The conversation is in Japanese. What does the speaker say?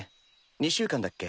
２週間だっけ？